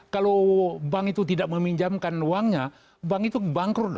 kalau bank itu tidak meminjamkan uangnya bank itu bangkrut